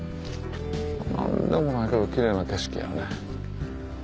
何でもないけどキレイな景色やね。